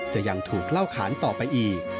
จะยังถูกเล่าขานต่อไปอีก